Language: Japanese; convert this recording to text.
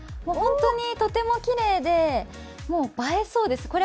本当にとてもきれいでもう映えそうです。